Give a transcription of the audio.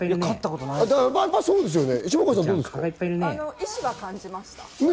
意思は感じました。